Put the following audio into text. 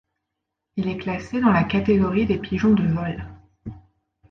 Il est classé dans la catégorie des pigeons de vol.